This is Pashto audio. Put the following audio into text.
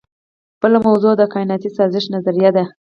بله موضوع د کائناتي سازش نظریه ده.